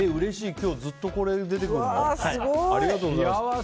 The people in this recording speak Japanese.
今日ずっとこれが出てくるんだ。